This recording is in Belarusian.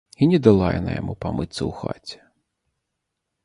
І не дала яна яму памыцца ў хаце.